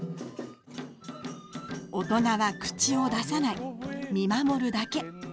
大人は口を出さない、見守るだけ。